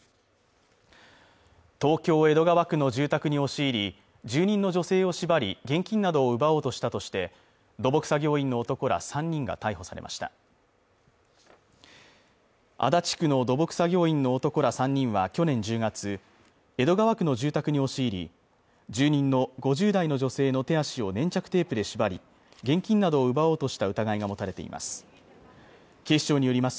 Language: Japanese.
東京江戸川区の住宅に押し入り住人の女性を縛り現金などを奪おうとしたとして土木作業員の男ら３人が逮捕されました足立区の土木作業員の男ら３人は去年１０月江戸川区の住宅に押し入り住人の５０代の女性の手足を粘着テープで縛り現金などを奪おうとした疑いが持たれています